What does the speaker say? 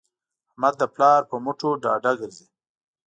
احمد د پلار په مټو ډاډه ګرځي.